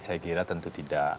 saya kira tentu tidak